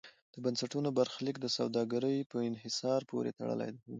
د بنسټونو برخلیک د سوداګرۍ په انحصار پورې تړلی و.